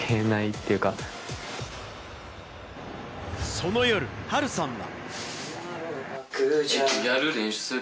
その夜、ハルさんは。